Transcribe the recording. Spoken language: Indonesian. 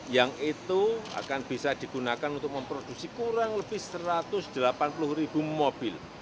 yang itu akan bisa digunakan untuk memproduksi kurang lebih satu ratus delapan puluh ribu mobil